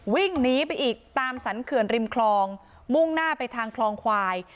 วิ่งหนีไปอีกตามสรรเขื่อนริมคลองมุ่งหน้าไปทางคลองควาย